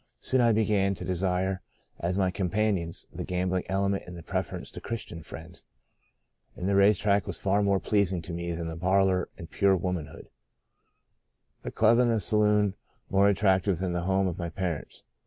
Soon I began to desire as my companions the gambling element in preference to Christian friends, and the race track was far more pleasing to me than the parlour and pure womanhood ; the club and the saloon more attractive than the home of my parents.